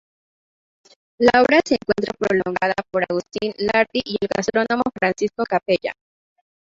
La obra se encuentra prologada por Agustín Lhardy y el gastrónomo Francisco Capella.